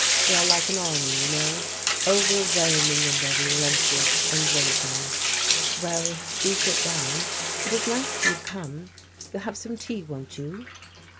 They are like an army, you know, overwhelming in their relentless invasion. Well, do sit down. It is nice of you to come. You'll have some tea, won't you?"